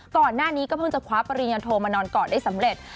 ก่อนหน้านี้ก็เพิ่งจะคว้าปริญญโทมานอนกอดได้สำเร็จ